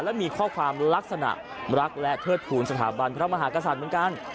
และมีข้อความลักษณะรักและเทิดทูลสถาบันพระมหากษัตริย์เหมือนกัน